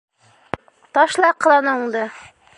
Ташла ҡыланыуыңды!